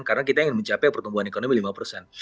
karena kita ingin mencapai pertumbuhan ekonomi lima persen